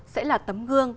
sẽ là tấm gương